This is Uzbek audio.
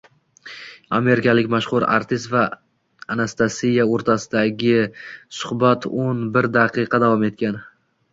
Amerikalik mashhur artist va Anastasiya o‘rtasidagi suhbato´n birdaqiqa davom etgan